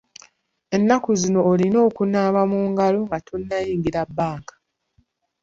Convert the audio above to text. Ennaku zino olina okunaaba mu ngalo nga tonnayingira bbanka.